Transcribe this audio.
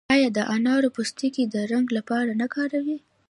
آیا د انارو پوستکي د رنګ لپاره نه کاروي؟